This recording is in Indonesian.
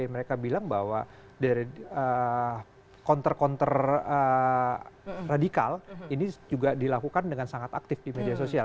mereka bilang bahwa kontor kontor radikal ini juga dilakukan dengan sangat agak mudah